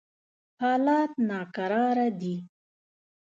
حالات ناکراره دي.